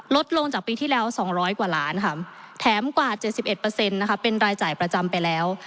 ลดลงจากปีที่แล้ว๒๐๐กว่าล้านค่ะแถมกว่า๗๑เป็นรายจ่ายประจำไปแล้ว